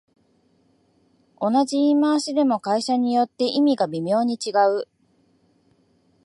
同じ言い回しでも会社によって意味が微妙に違う